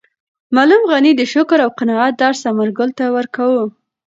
معلم غني د شکر او قناعت درس ثمرګل ته ورکاوه.